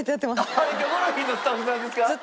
あれ『キョコロヒー』のスタッフさんですか？